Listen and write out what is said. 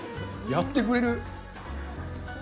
やってくれる。